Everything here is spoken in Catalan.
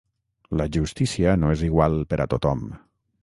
La justícia no és igual per a tothom.